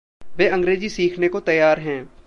वे अंग्रेज़ी सीखने को तैयार हैं।